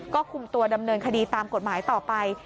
ก็คุมตัวดำเนินคดีตามกฎหมายต่อไป